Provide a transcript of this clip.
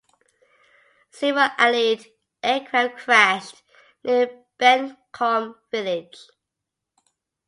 Several Allied aircraft crashed near Bennekom village.